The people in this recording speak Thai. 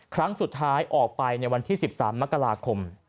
ครั้งสุดท้ายออกไปในวันที่๑๓มกราคม